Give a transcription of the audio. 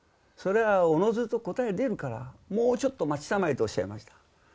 それはおのずと答え出るからもうちょっと待ちたまえとおっしゃいました。